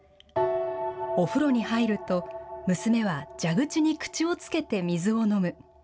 お風呂に入ると娘は蛇口に口をつけて水を飲む。